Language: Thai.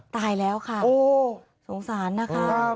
ตายแล้วค่ะสงสารนะคะ